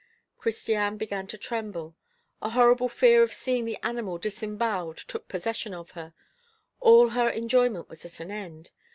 Christiane began to tremble. A horrible fear of seeing the animal disemboweled took possession of her; all her enjoyment was at an end.